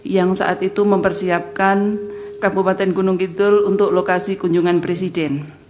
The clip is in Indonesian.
yang saat itu mempersiapkan kabupaten gunung kidul untuk lokasi kunjungan presiden